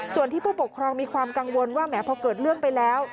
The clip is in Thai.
ส่วนที่ผู้ปกครองมีความกังวลว่าแหมพอเกิดเรื่องไปแล้ว